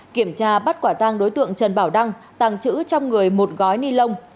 kiểm tra bắt quả tăng đối tượng trần bảo đăng tàng trữ trong người một gói ni lông